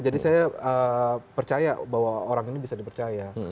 jadi saya percaya bahwa orang ini bisa dipercaya